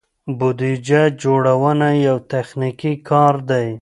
بودیجه جوړونه یو تخنیکي کار دی.